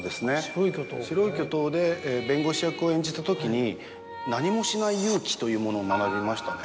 『白い巨塔』で弁護士役を演じたときに何もしない勇気というものを学びましたね。